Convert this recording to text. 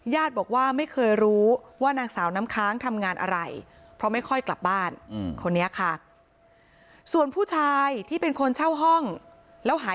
ญาติบอกว่าไม่เคยรู้ว่านางสาวน้ำค้างทำงานอะไรเพราะไม่ค่อยกลับบ้านคนนี้ค่ะ